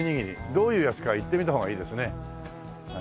どういうやつか行ってみたほうがいいですね。